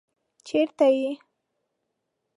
چېرته يې؟